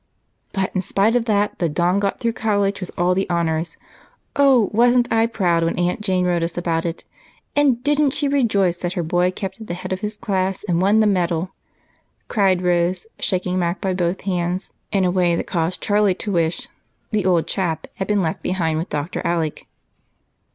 "But in spite of that the Don got through college with all the honors. Oh, wasn't I proud when Aunt Jane wrote to us about it and didn't she rejoice that her boy kept at the head of his class and won the medal!" cried Rose, shaking Mac by both hands in a way that caused Charlie to wish "the old chap" had been left behind with Dr. Alec.